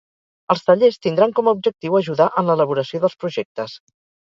Els tallers tindran com a objectiu ajudar en l’elaboració dels projectes.